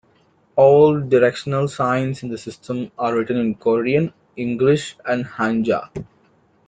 All directional signs in the system are written in Korean, English and Hanja.